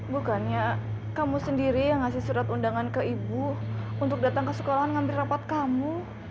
bukan ya kamu sendiri yang ngasih surat undangan ke ibu untuk datang ke sekolahan ngambil rapat kamu